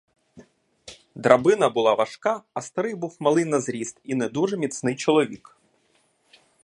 Драбина була важка, а старий був малий на зріст і не дуже міцний чоловік.